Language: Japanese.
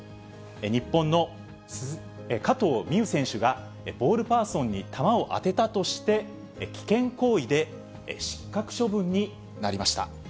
日本の加藤未唯選手が、ボールパーソンに球を当てたとして、危険行為で失格処分になりました。